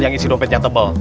yang isi dompetnya tebal